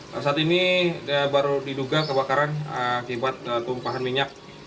nah saat ini baru diduga kebakaran akibat tumpahan minyak